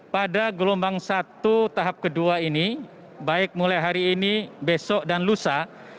pada gelombang satu tahap kedua ini baik mulai hari ini besok dan lusa